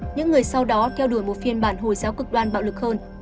những người sau đó theo đuổi một phiên bản hồi giáo cực đoan bạo lực hơn